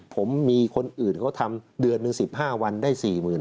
ผมมีคนอื่นเขาทำเดือนหนึ่ง๑๕วันได้๔๐๐๐